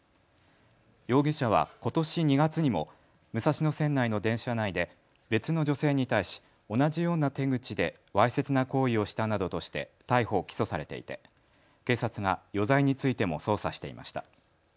容疑者はことし２月にも武蔵野線内の電車内で別の女性に対し同じような手口でわいせつな行為をしたなどとして逮捕・起訴されていて警察が余罪についても捜査していました。